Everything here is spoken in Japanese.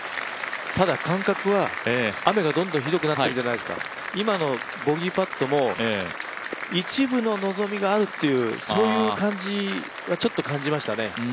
ただ感覚は、雨がどんどんひどくなってるじゃないですか今のボギーパットも、いちるの望みがあるというそういう感じはちょっと感じましたね。